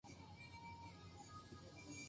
月の光に照らされ、竹林が揺れていた。